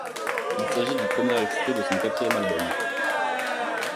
Il s'agit du premier extrait de son quatrième album.